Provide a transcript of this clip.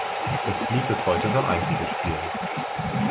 Es blieb bis heute sein einziges Spiel.